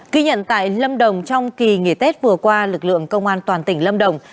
ghi nhận tại lâm đồng trong kỳ nghỉ tết vừa qua lực lượng công an toàn tỉnh lâm đồng